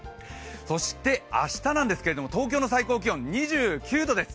そして、明日なんですけど東京の最高気温、２９度です！